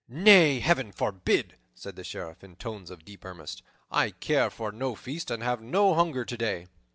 "Nay, Heaven forbid!" said the Sheriff in tones of deep earnest. "I care for no feast and have no hunger today."